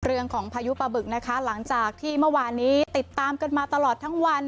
พายุปะบึกนะคะหลังจากที่เมื่อวานนี้ติดตามกันมาตลอดทั้งวัน